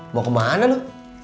mau kemana lu